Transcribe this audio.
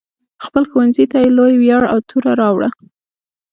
خپل ښوونځي ته یې لوی ویاړ او توره راوړه.